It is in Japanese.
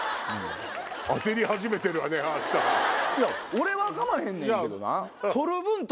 俺はかまへんねんけどな。